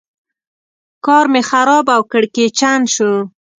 کار مې خراب او کړکېچن شو.